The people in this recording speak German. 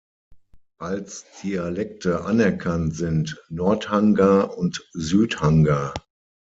Als Dialekte anerkannt sind Nord Hanga und Süd Hanga.